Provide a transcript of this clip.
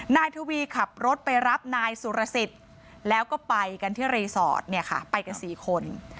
นายทวีขับรถไปรับนายสุรสิตแล้วก็ไปกันที่รีสอร์ทไปกัน๔คน